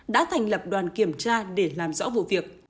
đã thành lập đoàn kiểm tra để làm rõ vụ việc